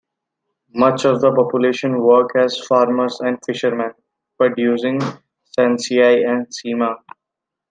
Much of the population work as farmers and fisherman, producing sansai and seema.